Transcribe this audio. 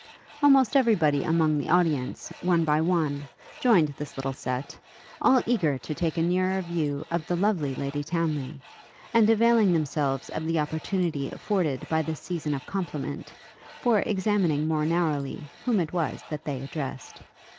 Almost everybody among the audience, one by one, joined this little set, all eager to take a nearer view of the lovely Lady Townly, and availing themselves of the opportunity afforded by this season of compliment, for examining more narrowly whom it was that they addressed.